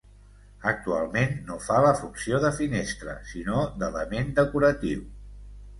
Actualment no fa la funció de finestra, sinó d'element decoratiu.